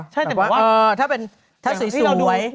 ใช่แต่ว่าเออถ้าสวยไว้